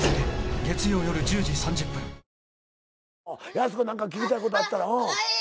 やす子何か聞きたいことあったら。